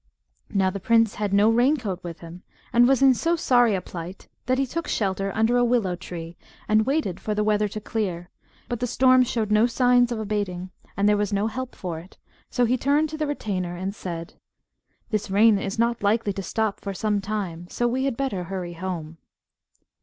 Now, the prince had no rain coat with him, and was in so sorry a plight that he took shelter under a willow tree and waited for the weather to clear; but the storm showed no sign of abating, and there was no help for it, so he turned to the retainer and said "This rain is not likely to stop for some time, so we had better hurry home."